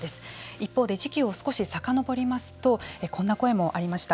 一方で時期を少しさかのぼりますとこんな声もありました。